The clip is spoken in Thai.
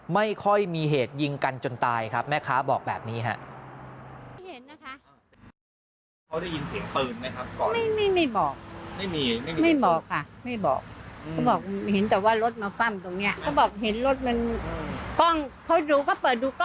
ไม่ค่อยมีเหตุยิงกันจนตายครับแม่ค้าบอกแบบนี้ครับ